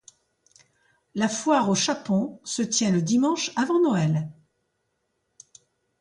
La foire aux chapons se tient le dimanche avant Noël.